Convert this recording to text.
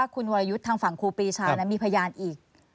คุณวรยุทธ์ทางฝั่งครูปีชานั้นมีพยานอีก